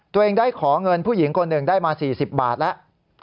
ตัวเองได้ขอเงินผู้หญิงคนหนึ่งได้มา๔๐บาทแล้ว